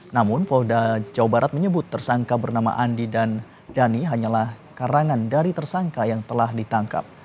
namun polda jawa barat menyebut tersangka bernama andi dan dhani hanyalah karangan dari tersangka yang telah ditangkap